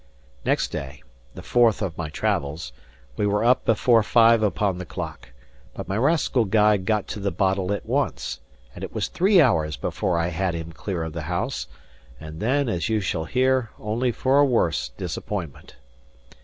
Next day (the fourth of my travels) we were up before five upon the clock; but my rascal guide got to the bottle at once, and it was three hours before I had him clear of the house, and then (as you shall hear) only for a worse disappointment.